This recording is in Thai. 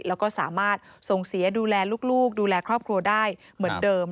แล้วก็สามารถส่งเสียดูแลลูกดูแลครอบครัวได้เหมือนเดิม